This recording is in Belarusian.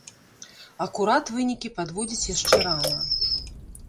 Акурат вынікі падводзіць яшчэ рана.